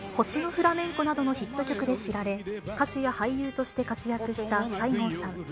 星のフラメンコなどのヒット曲で知られ、歌手や俳優として活躍した西郷さん。